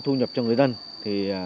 thu nhập cho người dân thì